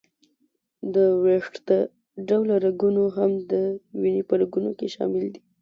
د وېښته ډوله رګونه هم د وینې په رګونو کې شامل دي.